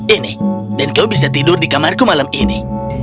ini dan kau bisa tidur di kamarku malam ini